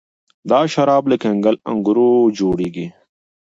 دا شراب له کنګل انګورو جوړیږي.